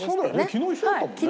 昨日一緒だったもんね。